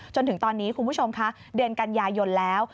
จนถึงตอนนี้คุณผู้ชมคะเดือนกันยายนแล้ว